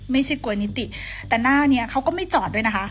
ไม่ใช่กว่านิติแต่หน้าเนี้ยเขาก็ไม่จอดด้วยนะคะ